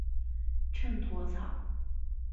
秤砣草